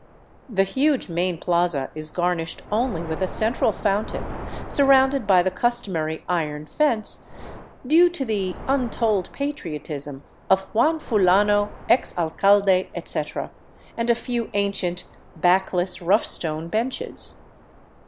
The huge main plaza is garnished only with a central fountain surrounded by the customary iron fence, " due to the untold patriotism of Juan Fu lano, ex alcalde, etc.," and a few ancient, backless, rough stone benches.